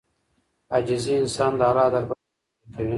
عاجزي انسان د الله دربار ته نږدې کوي.